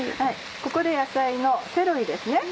ここで野菜のセロリですね。